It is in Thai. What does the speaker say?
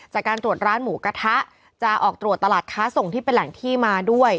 จากการตรวจร้านหมูกระทะจะออกตรวจตลาดค้าส่งที่เป็นแหล่งที่มาด้วย